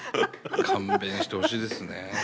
勘弁してほしいですね。